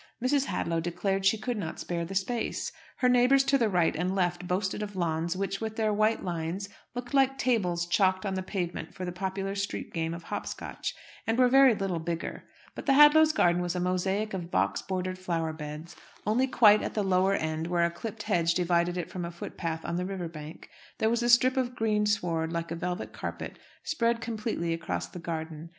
Mrs. Hadlow declared she could not spare the space. Her neighbours to the right and left boasted of lawns which, with their white lines, looked like tables chalked on the pavement for the popular street game of hop scotch and were very little bigger. But the Hadlows' garden was a mosaic of box bordered flower beds. Only quite at the lower end, where a clipped hedge divided it from a footpath on the river bank, there was a strip of green sward like a velvet carpet, spread completely across the garden.